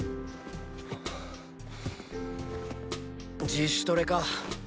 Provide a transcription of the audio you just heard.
自主トレか。